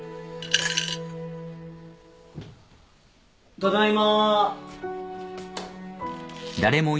ただいま。